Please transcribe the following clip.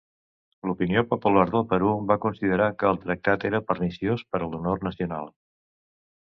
L'opinió popular del Perú va considerar que el tractat era perniciós per a l'honor nacional.